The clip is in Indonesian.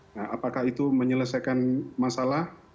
nah apakah itu menyelesaikan masalah